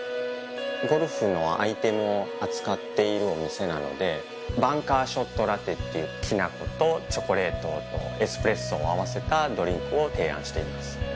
ゴルフのアイテムを扱っているお店なので「バンカーショットラテ」っていうきなことチョコレートとエスプレッソを合わせたドリンクを提案しています。